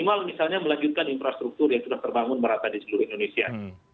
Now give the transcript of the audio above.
minimal misalnya melanjutkan infrastruktur yang sudah terbangun merata di seluruh indonesia